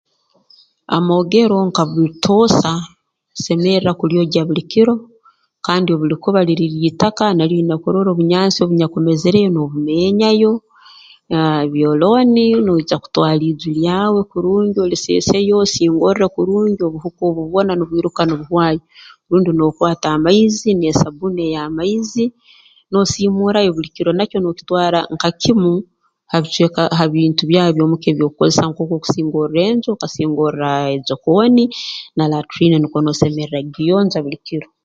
Amoogero nka butoosa tusemerra kulyogya buli kiro kandi obu likuba liri ly'itaka nalyo oine kurora obunyansi obunyakumezereyo n'obumeenyayo ah ebyolooni noija kutwara iju lyawe kurungi oliseeseyo osingorre kurungi obuhuka obu bwona nubwiruka nibuhwayo rundi nookwata amaizi n'esabbuuni ey'amaizi noosiimuurayo buli kiro nakyo nookitwara nka kimu ha bicweka ha bintu byawe eby'omuka ebi okukozesa nk'okusingorra enju okasingorra ejokooni na latriini nukwo noosemerra kugiyonja buli kiro